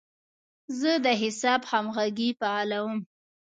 زه د حساب همغږي فعالوم.